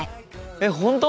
えっ本当？